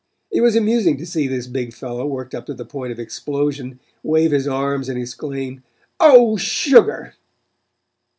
It was amusing to see this big fellow, worked up to the point of explosion, wave his arms and exclaim: "Oh, sugar!"